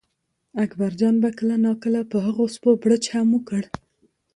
اکبرجان به کله ناکله په هغو سپو بړچ هم وکړ.